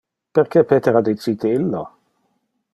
Perque Peter ha dicite illo?